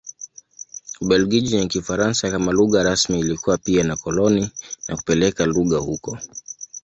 Ubelgiji yenye Kifaransa kama lugha rasmi ilikuwa pia na koloni na kupeleka lugha huko.